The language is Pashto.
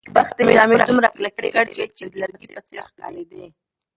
یخنۍ جامې دومره کلکې کړې وې چې د لرګي په څېر ښکارېدې.